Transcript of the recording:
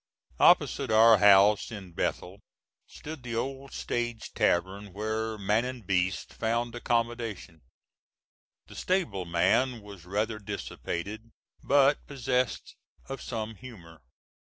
Opposite our house in Bethel stood the old stage tavern where "man and beast" found accommodation, The stable man was rather dissipated, but possessed of some humor.